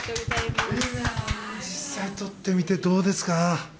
実際に取ってみてどうですか？